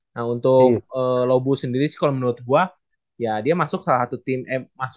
nah untuk eee lobu sendiri sih kalau menurut gue ya dia masuk salah satu tim yang paling lemah gitu